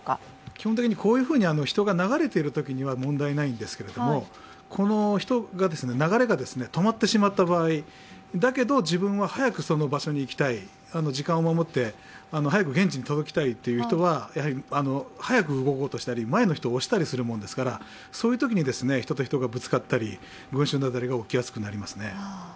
基本的にこういうふうに人が流れているときは問題ないんですけどこの人が、流れが止まってしまった場合、だけど自分は早くその場所に行きたい、早く現地に届きたいという人は速く動こうとしたり、前の人を押したりしますからそういうときに人と人がぶつかったり、群集雪崩が起きやすくなりますね。